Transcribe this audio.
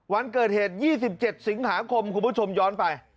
วันเกิดเหตุ๒๗สิงหาคมคุณผู้ชมย้อนไป